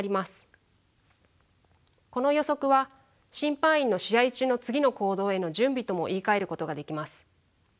この予測は審判員の試合中の次の行動への準備とも言いかえることができます。